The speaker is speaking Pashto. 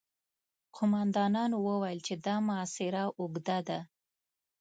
قوماندانانو وويل چې دا محاصره اوږده ده.